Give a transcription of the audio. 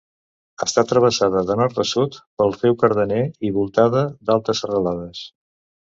Està travessada de nord a sud, pel riu Cardener, i voltada d'altes serralades.